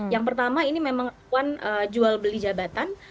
yang pertama ini memang akun jual beli jabatan